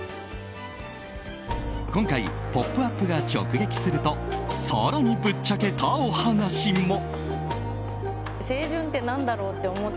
今回「ポップＵＰ！」が直撃すると更にぶっちゃけたお話も。